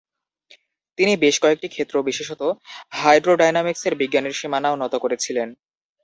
তিনি বেশ কয়েকটি ক্ষেত্র বিশেষত হাইড্রোডাইনামিক্সের বিজ্ঞানের সীমানা উন্নত করেছিলেন।